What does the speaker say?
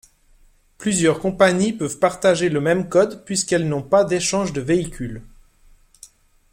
Plusieurs compagnies peuvent partager le même code, puisqu'elles n'ont pas d'échange de véhicules.